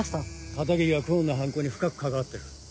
片桐は久遠の犯行に深く関わってる。